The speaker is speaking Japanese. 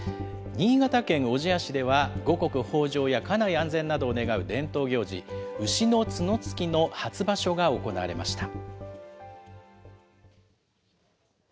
新潟県小千谷市では、五穀豊じょうや家内安全などを願う伝統行事、牛の角突きの初場所が行われました。